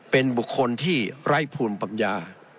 เป็นบุคคลที่ไร้ภูมิปัญญา